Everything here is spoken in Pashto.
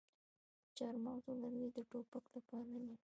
د چهارمغز لرګي د ټوپک لپاره دي.